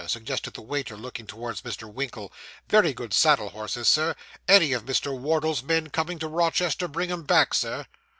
suggested the waiter, looking towards Mr. Winkle; 'very good saddle horses, sir any of Mr. Wardle's men coming to Rochester, bring 'em back, Sir.